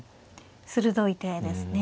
鋭い手ですね。